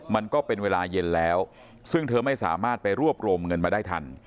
มันก็เป็นเวลาเย็นแล้วซึ่งเธอไม่สามารถไปรวบรวมเงินมาได้ทัน